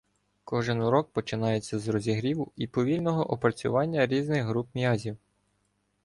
Кожен урок починається з розігріву і повільного опрацювання різних груп м'язів.